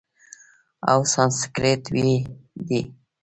او سانسکریت ویی دی،